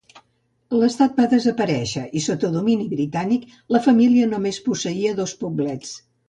L'estat va desaparèixer i sota domini britànic la família només posseïa dos poblets.